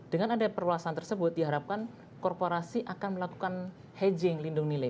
dengan ada perluasan tersebut diharapkan korporasi akan melakukan hedging lindung nilai